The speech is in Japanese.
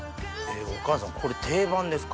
お母さんこれ定番ですか？